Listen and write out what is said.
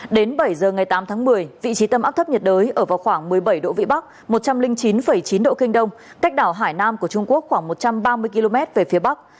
đến bảy giờ ngày tám tháng một mươi vị trí tâm áp thấp nhiệt đới ở vào khoảng một mươi bảy độ vĩ bắc một trăm linh chín chín độ kinh đông cách đảo hải nam của trung quốc khoảng một trăm ba mươi km về phía bắc